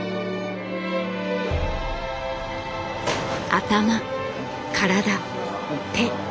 頭体手。